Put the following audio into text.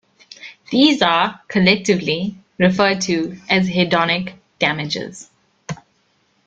These are, collectively, referred to as hedonic damages.